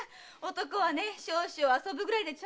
男は少々遊ぶぐらいでちょうどいい。